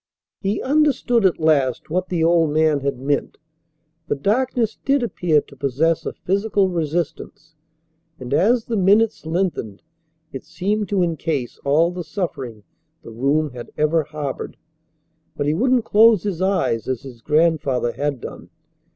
He understood at last what the old man had meant. The darkness did appear to possess a physical resistance, and as the minutes lengthened it seemed to encase all the suffering the room had ever harboured. But he wouldn't close his eyes as his grandfather had done.